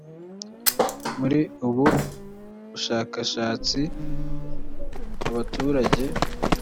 muri ubu bushakashatsi abaturage